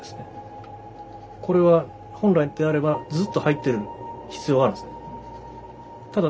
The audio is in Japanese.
これは本来であればずっと入ってる必要あるんですね。